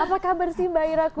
apa kabar sih mbak ira kusno